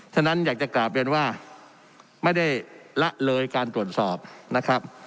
ฉะนั้นอยากจะกลับเรียนว่าไม่ได้ละเลยการตรวจสอบนะครับ